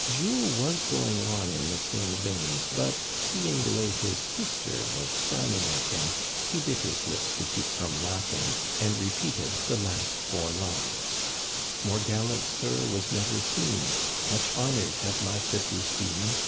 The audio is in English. Jules was going on in the same vein, but seeing che way his sister was frowning at him, he bit his lips to keep from laughing, and repeated the last four lines :"* More gallant sir was never seen ; Much honored have my kisses been.